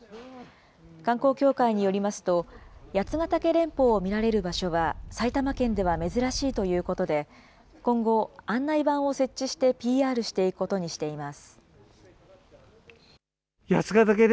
観光協会によりますと、八ヶ岳連峰を見られる場所は埼玉県では珍しいということで、今後、案内板を設置してＰＲしていくことにしています。